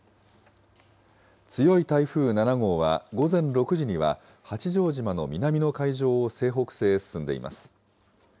強い台風７号は、午前６時には八丈島の南の海上を西北西へ進んでいます。